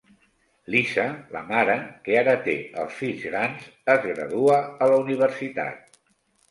Lisa, la mare, que ara que té els fills grans, es gradua a la universitat.